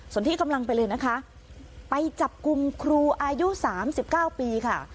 ส่วนที่กำลังไปเลยนะคะไปจับกลุ่มครูอายุสามสิบเก้าปีค่ะ